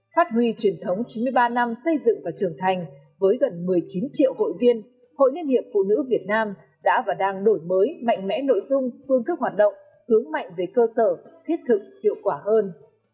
phát huy truyền thống chín mươi ba năm xây dựng và trưởng thành với gần một mươi chín triệu hội viên hội liên hiệp phụ nữ việt nam đã và đang đổi mới mạnh mẽ nội dung phương thức hoạt động hướng mạnh về cơ sở thiết thực hiệu quả hơn